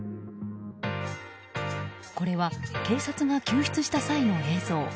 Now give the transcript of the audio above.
これは警察が救出した際の映像。